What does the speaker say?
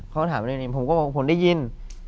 เค้าถามว่าผมได้ยิน